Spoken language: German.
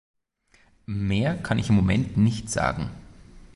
Mehr kann ich im Moment nicht sagen.